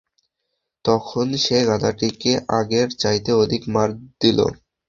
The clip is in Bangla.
তখন সে গাধাটিকে আগের চাইতে অধিক মার দিল।